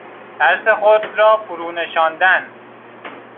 ترس خود را فرونشاندن